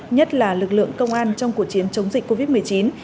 nhất là lực lượng công an trong cuộc chiến chống dịch covid một mươi chín